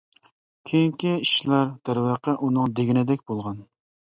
كېيىنكى ئىشلار دەرۋەقە ئۇنىڭ دېگىنىدەك بولغان.